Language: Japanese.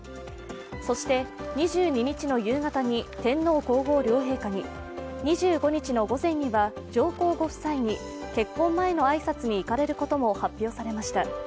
そして２２日の夕方に天皇・皇后両陛下に２５日の午前には上皇ご夫妻に結婚前の挨拶に行かれることも発表されました。